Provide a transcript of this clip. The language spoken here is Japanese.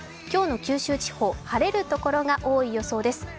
今日の九州地方晴れるところが多い予想です。